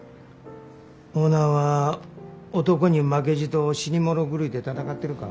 オーナーは男に負けじと死に物狂いで闘ってるか？